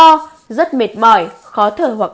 rất mệt mỏi khó thở hoặc